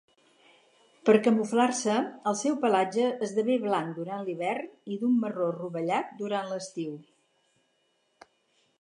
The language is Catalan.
Per camuflar-se, el seu pelatge esdevé blanc durant l'hivern i d'un marró rovellat durant l'estiu.